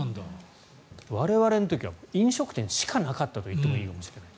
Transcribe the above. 我々の時は飲食店しかなかったと言ってもいいかもしれない。